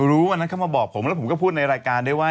วันนั้นเข้ามาบอกผมแล้วผมก็พูดในรายการได้ว่า